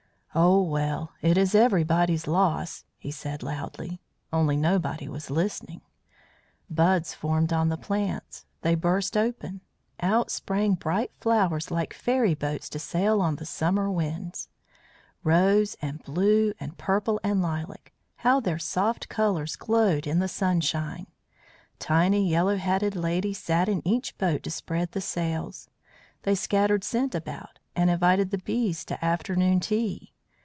"Oh, well, it is everybody's loss!" he said loudly only nobody was listening. Buds formed on the plants. They burst open. Out sprang bright flowers like fairy boats to sail on the summer winds. Rose and blue and purple and lilac, how their soft colours glowed in the sunshine! Tiny yellow hatted ladies sat in each boat to spread the sails. They scattered scent about, and invited the bees to afternoon tea.